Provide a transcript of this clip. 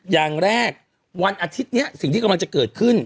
อย่างแรกวันอาทิตย์นี้สิ่งที่กำลังจะเกิดขึ้น